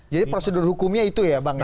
jadi prosedur hukumnya itu ya bang ya